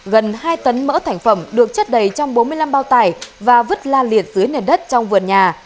gần hai tấn mỡ thành phẩm được chất đầy trong bốn mươi năm bao tải và vứt la liệt dưới nền đất trong vườn nhà